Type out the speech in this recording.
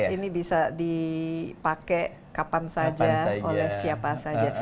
ini bisa dipakai kapan saja oleh siapa saja